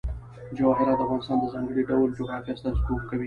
جواهرات د افغانستان د ځانګړي ډول جغرافیه استازیتوب کوي.